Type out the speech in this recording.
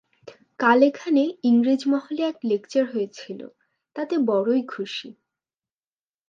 কাল এখানে ইংরেজ-মহলে এক লেকচার হয়েছিল, তাতে বড়ই খুশী।